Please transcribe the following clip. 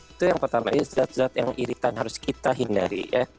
itu yang pertama itu zat zat yang iritan harus kita hindari ya